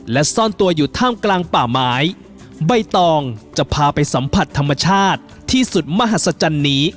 และซ่อนตัวอยู่ท่ามกลางป่าไม้ใบตองจะพาไปสัมผัสธรรมชาติที่สุดมหัศจรรย์นี้